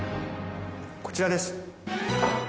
こちらです。